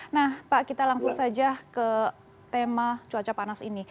nah pak kita langsung saja ke tema cuaca panas ini